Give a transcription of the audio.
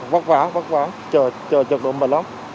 vất vả vất vả chờ chật độ mệt lắm